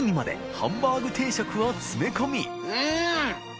ハンバーグ定食を詰め込み淵船礇鵝うん！